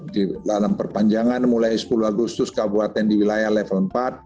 di dalam perpanjangan mulai sepuluh agustus kabupaten di wilayah level empat